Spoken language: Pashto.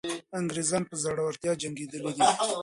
انګریزان په زړورتیا جنګېدلي دي.